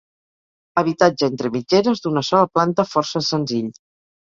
Habitatge entre mitgeres d'una sola planta força senzill.